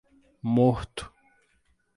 Morto.